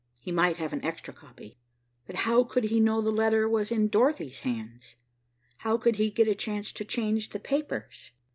He might have an extra copy. But how could he know the letter was in Dorothy's hands? How could he get a chance to change the papers?